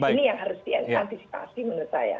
ini yang harus diantisipasi menurut saya